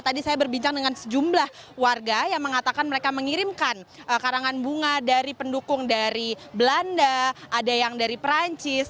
tadi saya berbincang dengan sejumlah warga yang mengatakan mereka mengirimkan karangan bunga dari pendukung dari belanda ada yang dari perancis